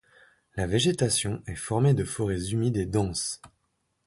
La végétation est formée de forêts humides et denses.